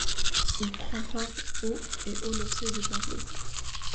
Il prend part au et au lancer de javelot.